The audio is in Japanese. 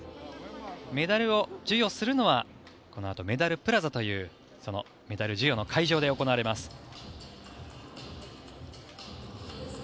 メダルを授与するのはこのあとメダルプラザというメダル授与の会場で行われます。